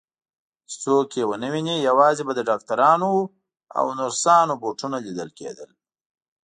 چې څوک یې ونه ویني، یوازې به د ډاکټرانو او نرسانو بوټونه لیدل کېدل.